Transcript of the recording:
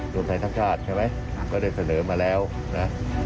รวมไทยสร้างชาติใช่ไหมก็ได้เสนอมาแล้วนะ